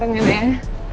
ruangnya gini kan